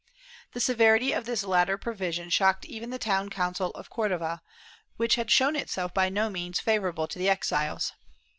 '' The severity of this latter provision shocked even the town council of Cordova, which had shown itself by no means favorable to the exiles.